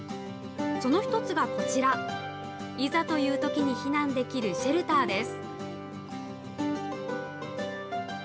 その１つがこちら、いざというときに避難できるシェルターです。